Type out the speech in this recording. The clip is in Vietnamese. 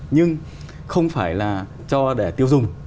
nhưng không phải là cho để tiêu dùng